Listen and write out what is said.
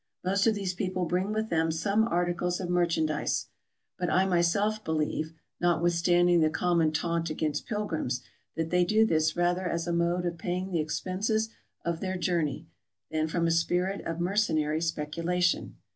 Most of these people bring with them some articles of merchandise, but I myself believe (notwithstanding the common taunt against pilgrims) that they do this rather as a mode of pay ing the expenses of their journey, than from a spirit of mer cenary speculation.